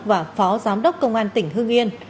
và phó giám đốc công an tỉnh hương yên